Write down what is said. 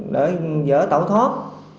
để dỡ tẩu thoát